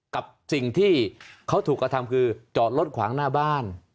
กับสิ่งที่เขาถูกกระทำคือจอดรถขวางหน้าบ้าน